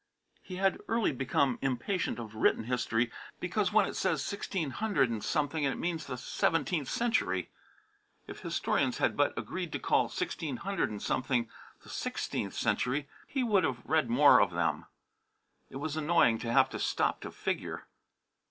He had early become impatient of written history because when it says sixteen hundred and something it means the seventeenth century. If historians had but agreed to call sixteen hundred and something the sixteenth century, he would have read more of them. It was annoying to have to stop to figure.